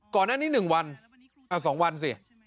ก่อนนั้นนี่๑วันเอ้า๒วันสิ